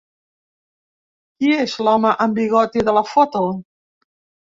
Qui és l'Home amb bigoti de la foto?